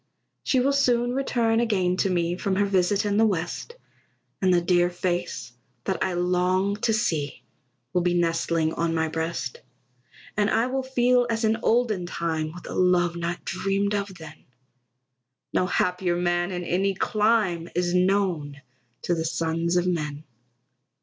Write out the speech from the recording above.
She will soon return again to me, From her visit in the West, And the dear face that I long to see Will be nestling on my breast. And I will feel as in olden time, With a love not dreamed of then; No happier man in any clime Is known to the sons of men.